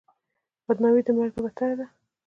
بدنامي د مرګ نه بدتره ده.